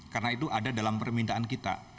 karena itu ada dalam permintaan kita